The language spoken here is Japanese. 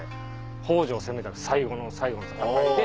北条を攻めた最後の最後の戦いで。